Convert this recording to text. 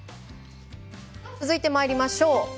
続いてまいりましょう。